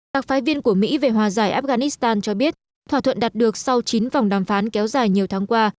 đặc phái viên của mỹ về hòa giải afghanistan cho biết thỏa thuận đạt được sau chín vòng đàm phán kéo dài nhiều tháng qua